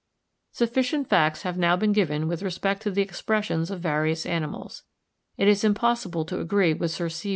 Sufficient facts have now been given with respect to the expressions of various animals. It is impossible to agree with Sir C.